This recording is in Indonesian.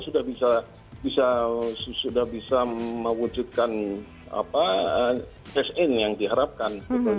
sudah bisa mewujudkan asn yang diharapkan